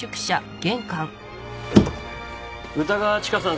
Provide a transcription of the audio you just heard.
歌川チカさん